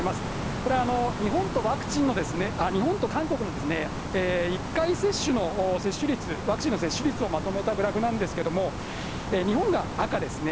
これ、日本と韓国の１回接種の接種率、ワクチンの接種率をまとめたグラフなんですけども、日本が赤ですね。